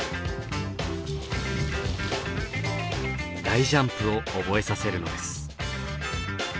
大ジャンプを覚えさせるのです。